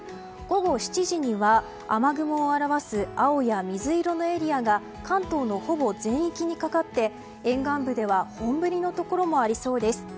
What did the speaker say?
午後７時には、雨雲を表す青や水色のエリアが関東のほぼ全域にかかって沿岸部では本降りのところもありそうです。